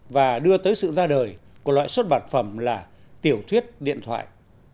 và đưa tới sự ra đời của loại xuất bản phẩm là tiểu thuyết điện thoại